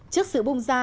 trước sự bung ra